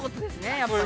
やっぱりね。